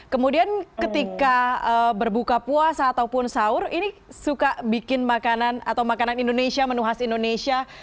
kemudian ketika berbuka puasa ataupun sahur ini suka bikin makanan atau makanan indonesia menu khas indonesia